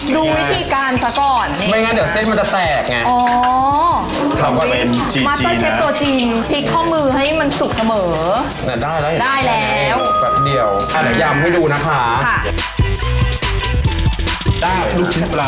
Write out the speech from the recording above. ดูวิธีการซ่าก่อนเหมือนกันเดี๋ยวเศษมันจะแตกไงอ่อ